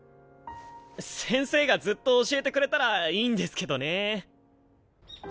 先生がずっと教えてくれたらいいんですけどね。